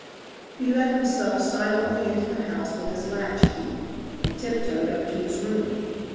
He let himself silently into the house with his latch key, and tiptoed up to his room.